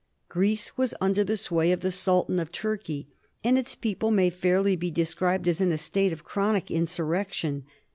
Greece was under the sway of the Sultan of Turkey, and its people may fairly be described as in a state of chronic insurrection.